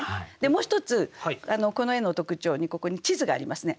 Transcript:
もう一つこの絵の特徴にここに地図がありますね。